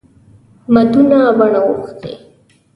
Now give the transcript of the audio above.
مدونه بڼه وښتي.